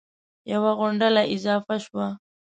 یوه غونډله اضافه شوه